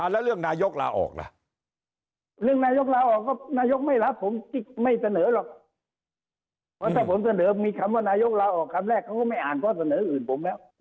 แล้วเรื่องนายกละออกเพราะนยกไม่รับผมยิบไม่เจริญเลยว่าถ้าผมเจริญมีคำมันนายกละออกคำแรกเค้าก็ไม่อ่านก็เสนออื่นผมแน่ว